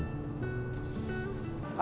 sebagai biaya energi bahan bakar pengering